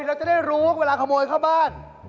เราจะได้รู้ว่าเวลาขโมยเข้าบ้าน